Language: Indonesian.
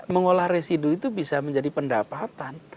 mengolah residu itu bisa menjadi pendapatan